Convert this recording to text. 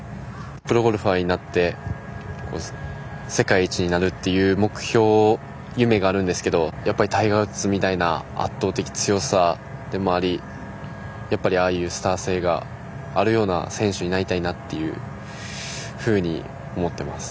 プロゴルファーになって世界一になるという目標、夢があるんですけどやっぱりタイガー・ウッズみたいな圧倒的強さでもありやっぱりああいうスター性があるような選手になりたいなっていうふうに思っています。